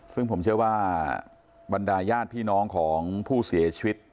ซึ่งผมเชื่อว่าบรรดาญาติพี่น้องของผู้เสียชีวิต